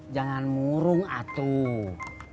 jangan murung atuh